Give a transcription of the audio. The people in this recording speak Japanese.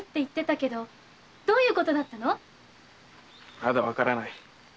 まだわからない。